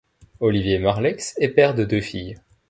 Olivier Marleix est père de deux filles.